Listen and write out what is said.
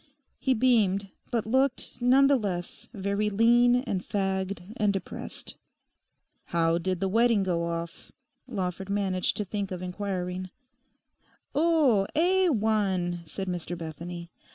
He beamed, but looked, none the less, very lean and fagged and depressed. 'How did the wedding go off?' Lawford managed to think of inquiring. 'Oh, A1,' said Mr Bethany.